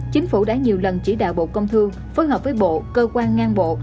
chính phủ đã nhiều lần chỉ đạo bộ công thương phối hợp với bộ cơ quan ngang bộ